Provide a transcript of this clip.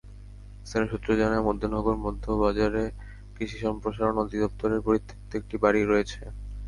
স্থানীয় সূত্র জানায়, মধ্যনগর মধ্য বাজারে কৃষি সম্প্রসারণ অধিদপ্তরের পরিত্যক্ত একটি বাড়ি রয়েছে।